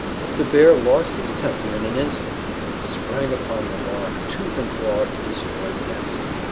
The Bear lost his temper in an instant, and sprang upon the log tooth and claw, to destroy the nest.